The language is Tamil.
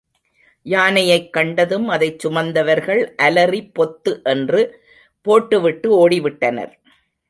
யானையைக் கண்டதும் அதைச் சுமந்தவர்கள் அலறி பொத்து என்று போட்டு விட்டு ஓடி விட்டனர்.